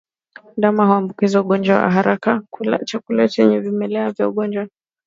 Ndama huambukizwa ugonjwa wa kuhara kwa kula chakula chenye vimelea vya ugonjwa